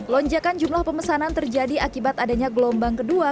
lonjakan jumlah pemesanan terjadi akibat adanya gelombang kedua